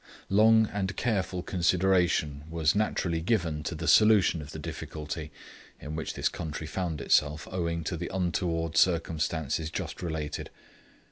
Long and careful consideration was naturally given to the solution of the difficulty in which this country found itself owing to the untoward circumstances just related.